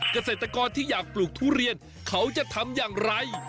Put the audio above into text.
เกษตรกรที่อยากปลูกทุเรียนเขาจะทำอย่างไร